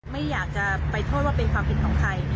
ไม่อยากจะไปโทษว่าเป็นความผิดของใคร